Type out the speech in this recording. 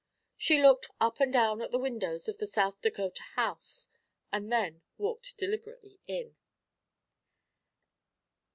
She looked up and down at the windows of the South Dakota House and then walked deliberately in.